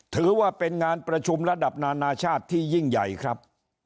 ถือว่าเป็นงานประชุมระดับนานาชาติที่ยิ่งใหญ่ครับ